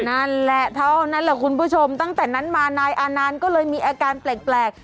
นั่นแหละเท่านั้นแหละคุณผู้ชมตั้งแต่นั้นมานายอานันต์ก็เลยมีอาการแปลก